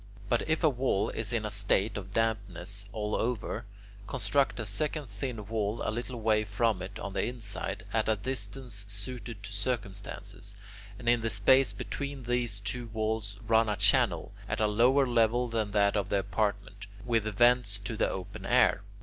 But if a wall is in a state of dampness all over, construct a second thin wall a little way from it on the inside, at a distance suited to circumstances, and in the space between these two walls run a channel, at a lower level than that of the apartment, with vents to the open air.